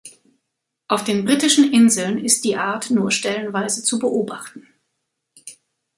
Auf den Britischen Inseln ist die Art nur stellenweise zu beobachten.